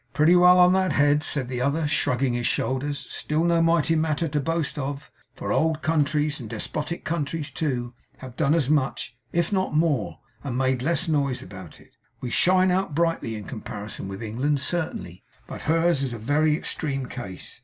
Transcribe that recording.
'Pretty well on that head,' said the other, shrugging his shoulders, 'still no mighty matter to boast of; for old countries, and despotic countries too, have done as much, if not more, and made less noise about it. We shine out brightly in comparison with England, certainly; but hers is a very extreme case.